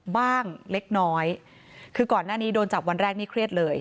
บ้างเล็กน้อยคือก่อนหน้านี้โดนจับวันแรกนี่เครียดเลย